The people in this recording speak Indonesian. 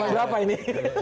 nama berapa ini